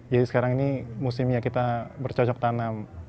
jadi sekarang ini musimnya kita bercocok tanam